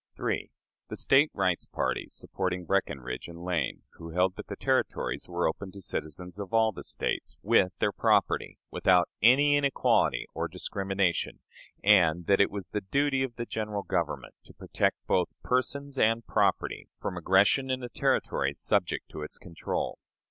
3. The State Rights party, supporting Breckinridge and Lane, who held that the Territories were open to citizens of all the States, with their property, without any inequality or discrimination, and that it was the duty of the General Government to protect both persons and property from aggression in the Territories subject to its control.